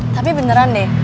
tapi beneran deh